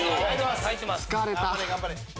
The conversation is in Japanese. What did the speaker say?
疲れた。